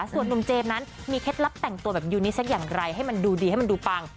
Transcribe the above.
ส่วนนุ่มเจมส์นั้นมีเคล็ดลับแต่งตัวแบบยูนิเซ็กอย่างไรให้มันดูดีให้มันดูปัง